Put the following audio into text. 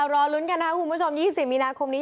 รอลุ้นกันนะครับคุณผู้ชม๒๔มีนาคมนี้